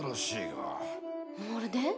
モールで？